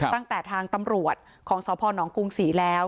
ตั้งแต่ทางตำรวจของสนกรุงศรีแล้ว